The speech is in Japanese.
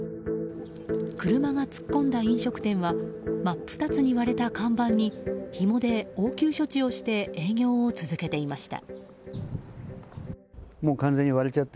車が突っ込んだ飲食店は真っ二つに割れた看板にひもで応急処置をして営業を続けていました。